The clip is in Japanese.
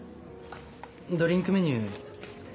あっドリンクメニュー。